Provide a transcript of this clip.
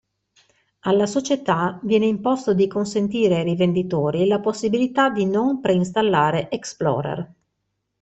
Alla società viene imposto di consentire ai rivenditori la possibilità di non preinstallare Explorer.